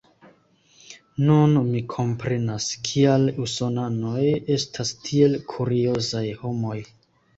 Nun mi komprenas, kial usonanoj estas tiel kuriozaj homoj.